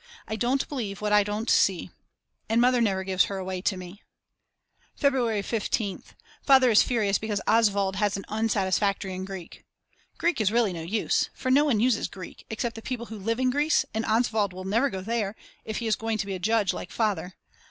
I don't believe what I don't see. And Mother never gives her away to me. February 15th. Father is furious because Oswald has an Unsatisfactory in Greek. Greek is really no use; for no one uses Greek, except the people who live in Greece and Oswald will never go there, if he is going to be a judge like Father.